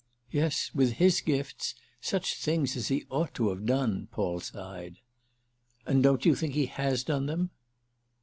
"Yes, with his gifts, such things as he ought to have done!" Paul sighed. "And don't you think he has done them?"